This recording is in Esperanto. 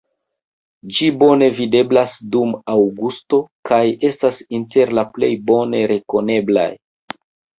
Ĝi bone videblas dum aŭgusto kaj estas inter la plej bone rekoneblaj.